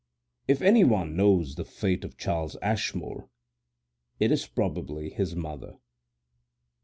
If anybody knows the fate of Charles Ashmore it is probably his mother.